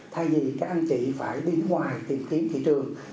thay vì các anh chị phải đi ngoài tìm kiếm thị trường